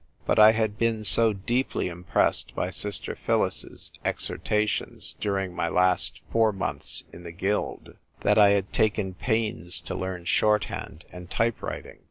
But I had been so deeply impressed by Sister Phyllis's ex hortations during my last four months in the guild that I had taken pains to learn short hand and type writing.